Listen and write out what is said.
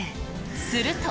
すると。